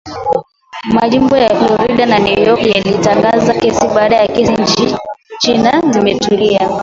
Majimbo ya Florida na New York yalitangaza kesi baada ya kesi nchini Uchina zimetulia